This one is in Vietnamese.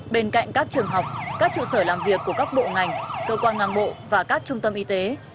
bên cạnh các trường học các trụ sở làm việc của các bộ ngành cơ quan ngang bộ và các trung tâm y tế